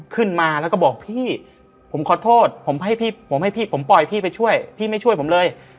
ขึ้นมาแล้วก็บอกพี่ผมขอโทษผมให้พี่ผมให้พี่ผมปล่อยพี่ไปช่วยพี่ไม่ช่วยผมเลย